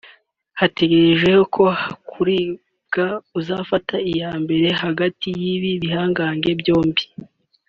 hategerejwe kkurebwa uzafata iya mbere hagati y’ibi bihangange byombi